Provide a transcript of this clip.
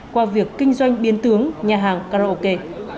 qua việc kinh doanh biến tướng nhà hàng karaoke